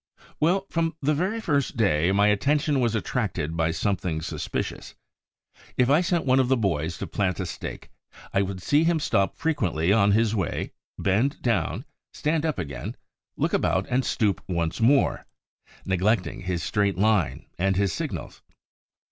Well, from the very first day, my attention was attracted by something suspicious. If I sent one of the boys to plant a stake, I would see him stop frequently on his way, bend down, stand up again, look about and stoop once more, neglecting his straight line and his signals.